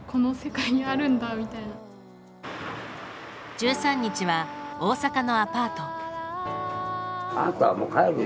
１３日は大阪のアパート。